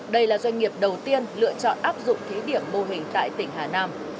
đây là doanh nghiệp đầu tiên lựa chọn áp dụng thí điểm mô hình tại tỉnh hà nam